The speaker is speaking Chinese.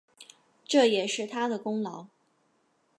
这也是他的功劳